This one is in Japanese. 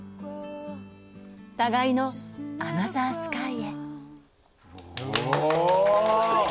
互いの「アナザースカイ」へ。